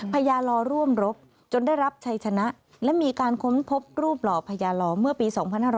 พญาลอร่วมรบจนได้รับชัยชนะและมีการค้นพบรูปหล่อพญาลอเมื่อปี๒๕๖๐